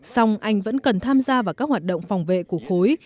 song anh vẫn cần tham gia vào các hoạt động phòng vệ của khối